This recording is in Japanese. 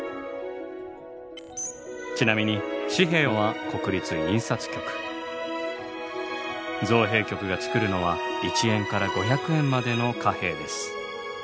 ちなみに紙幣は国立印刷局造幣局が造るのは一円から五百円までの貨幣です。